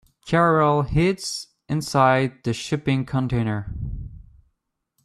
Carol hid inside the shipping container.